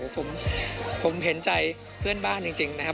ผมเห็นใจเพื่อนบ้านจริงนะครับ